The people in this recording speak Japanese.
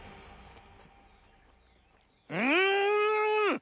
うん！